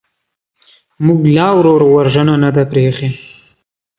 موږ لا ورور وژنه نه ده پرېښې.